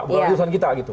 bukan urusan kita gitu